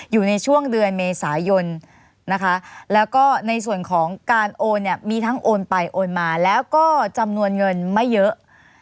อยู่ในช่วงเดือนเมษายนนะคะแล้วก็ในส่วนของการโอนเนี่ยมีทั้งโอนไปโอนมาแล้วก็จำนวนเงินไม่เยอะ